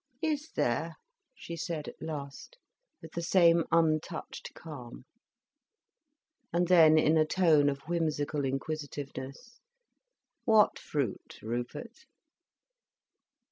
"Is there?" she said at last, with the same untouched calm. And then in a tone of whimsical inquisitiveness: "What fruit, Rupert?"